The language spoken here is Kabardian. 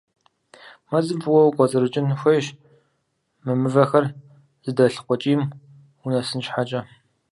Мэзым фӀыуэ укӀуэцӀрыкӀын хуейщ мы мывэхэр зыдэлъ къуэкӀийм унэсын щхьэкӀэ.